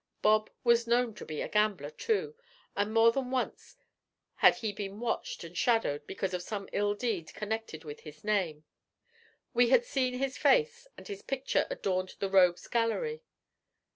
Bob was known as a gambler, too, and more than once had he been watched and shadowed because of some ill deed connected with his name; we had seen his face, and his picture adorned the rogues' gallery.